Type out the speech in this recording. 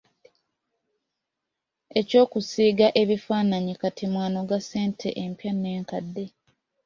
Eky’okusiiga ebifaananyi kati mw’anoga ssente empya n’enkadde.